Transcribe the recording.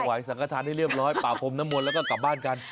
ขอบคลัมสังฆาตได้เรียบร้อยปลาผมน้ำมนต์แล้วก็กลับบ้านกัน